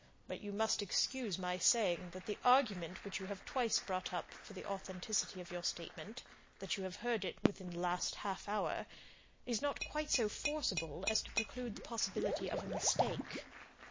But you must excuse my saying that the argument which you have twice brought up for the authenticity of your statement, 'that you have heard it within the last half hour,' is not quite so forcible as to preclude the possibility of a mistake."